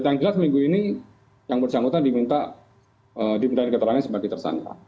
yang jelas minggu ini yang bersangkutan diminta diminta keterangannya sebagai tersangka